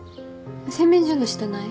洗面所の下ない？